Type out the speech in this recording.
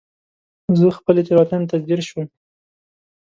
زه خپلې تېروتنې ته ځير شوم.